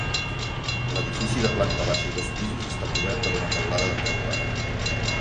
L'edifici de planta baixa i dos pisos, està cobert per una teulada de teula àrab.